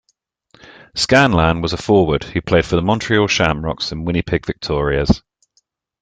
Scanlan was a forward who played for the Montreal Shamrocks and Winnipeg Victorias.